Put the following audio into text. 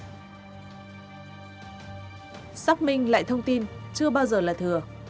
xác minh lại thông tin chưa bao giờ là thừa